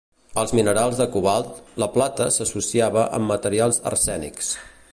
Als minerals de cobalt, la plata s"associava amb materials arsènics.